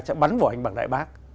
sẽ bắn vào anh bằng đại bác